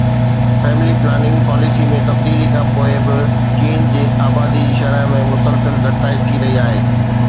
family planning policy ۾ تبديلي کان پوءِ به چين جي آبادي جي شرح ۾ مسلسل گهٽتائي ٿي رهي آهي